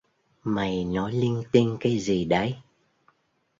Mày nói linh tinh cái gì đấy